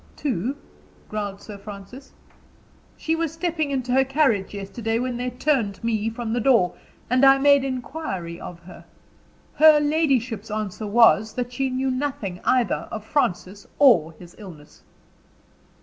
"Two?" growled Sir Francis. "She was stepping into her carriage yesterday when they turned me from the door, and I made inquiry of her. Her ladyship's answer was, that she knew nothing either of Francis or his illness."